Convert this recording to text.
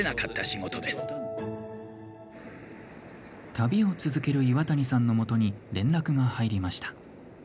旅を続ける岩谷さんのもとに連絡が入りました。